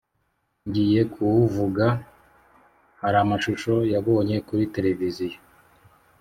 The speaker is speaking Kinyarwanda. ngiye kuwuvuga haramashusho yabonye kuri televiziyo